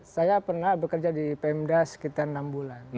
saya pernah bekerja di pemda sekitar enam bulan